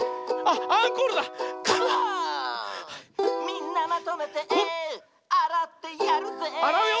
「みんなまとめてあらってやるぜ」